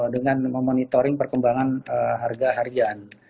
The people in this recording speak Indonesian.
dengan memonitoring perkembangan harga harian